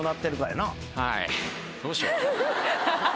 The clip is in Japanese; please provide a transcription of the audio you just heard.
どうしようかな。